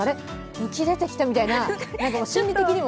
浮き出てきたみたいな心理的にも。